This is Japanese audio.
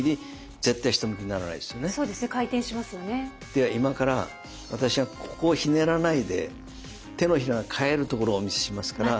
では今から私はここをひねらないで手のひらが返るところをお見せしますから。